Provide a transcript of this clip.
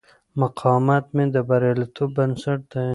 مقاومت مې د بریالیتوب بنسټ دی.